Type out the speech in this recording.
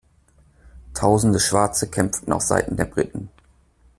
Tausende Schwarze kämpften auf Seiten der Briten.